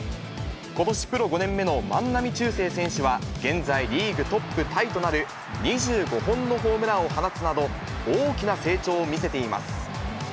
ことしプロ５年目の万波中正選手は現在リーグトップタイとなる２５本のホームランを放つなど、大きな成長を見せています。